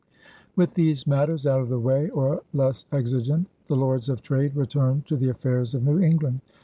With these matters out of the way or less exigent, the Lords of Trade returned to the affairs of New England.